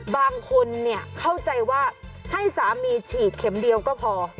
บางคนเข้าใจว่าให้สามีฉีดเข็มเดียวก็พอ